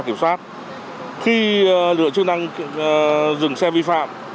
khi lực lượng chức năng dừng xe vi phạm